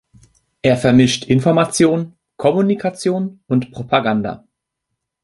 Er vermischt Information, Kommunikation und Propaganda.